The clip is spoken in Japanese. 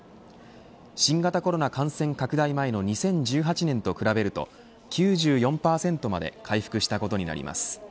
新型コロナ感染拡大前の２０１８年と比べると９４％まで回復したことになります。